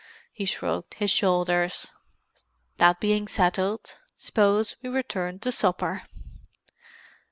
He shrugged his shoulders. "That being settled, suppose we return to supper?"